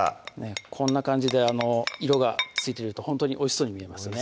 こんな感じで色がついてるとほんとにおいしそうに見えますね